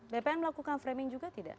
bpn melakukan framing juga tidak